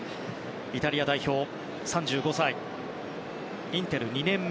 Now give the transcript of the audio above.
イタリア代表の３５歳でインテル２年目。